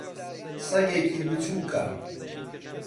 سەگێکی بچووکە.